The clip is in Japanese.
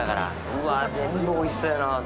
うわ、全部おいしそうやなあ。